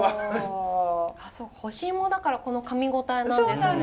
干し芋だからこのかみ応えなんですね。